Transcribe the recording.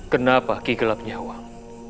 kenapa ki gelap nyawang